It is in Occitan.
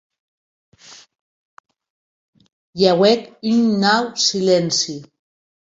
I auec un nau silenci.